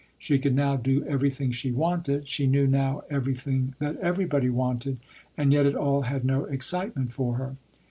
She could now do everything she wanted, she knew now everything that everybody wanted, and yet it all had no excitement for her.